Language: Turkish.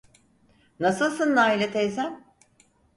Nasılsın Naile teyzem?